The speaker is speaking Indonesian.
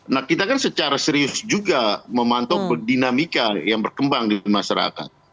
nah kita kan secara serius juga memantau dinamika yang berkembang di masyarakat